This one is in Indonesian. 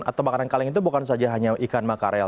atau makanan kaleng itu bukan saja hanya ikan makarel